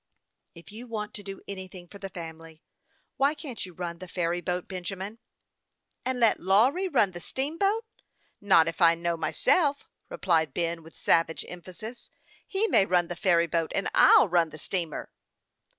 " If you want to do anything for the family, why can't you run the ferry boat, Benjamin ?"" And let Lawry run the steamboat ? Not if I know myself! " replied Ben, with savage emphasis. " He may run the ferry boat, and I'll run the steamer."